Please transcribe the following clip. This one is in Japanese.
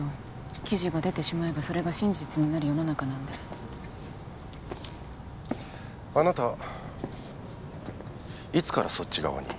記事が出てしまえばそれが真実になる世の中なんであなたいつからそっち側に？